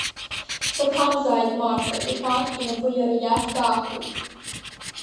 Саҭамзааит, Марҭа, — иҳәан инапы иара иахь даахеит.